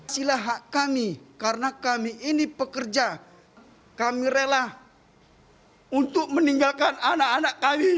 silah hak kami karena kami ini pekerja kami rela untuk meninggalkan anak anak kami